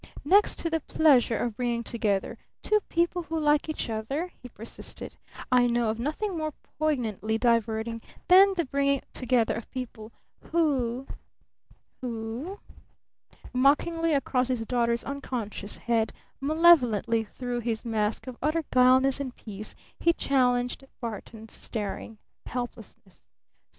"Next to the pleasure of bringing together two people who like each other," he persisted, "I know of nothing more poignantly diverting than the bringing together of people who who " Mockingly across his daughter's unconscious head, malevolently through his mask of utter guilelessness and peace, he challenged Barton's staring helplessness.